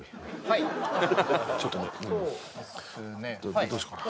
はいどどうしようかな